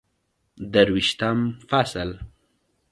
درویشتم فصل